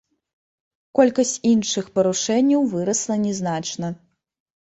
Колькасць іншых парушэнняў вырасла не значна.